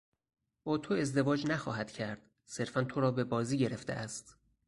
با تو ازدواج نخواهد کرد، صرفا تو را به بازی گرفته است.